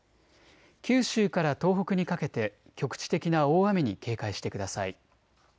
九州から東北にかけて局地的な大雨に警戒してください。